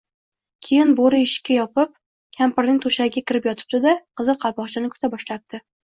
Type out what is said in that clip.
Keyin Boʻri eshikni yopib, kampirning toʻshagiga kirib yotibdi-da, Qizil Qalpoqchani kuta boshlabdi